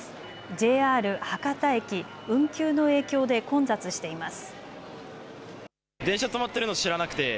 ＪＲ博多駅運休の影響で混雑しています。